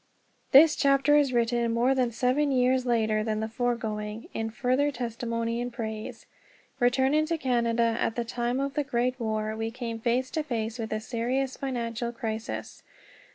THIS chapter is written more than seven years later than the foregoing, in further testimony and praise. Returning to Canada at the time of the Great War, we came face to face with a serious financial crisis.